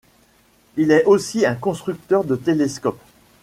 Il est aussi un constructeur de télescopes.